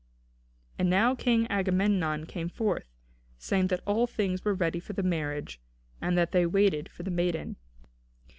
And now King Agamemnon came forth, saying that all things were ready for the marriage, and that they waited for the maiden.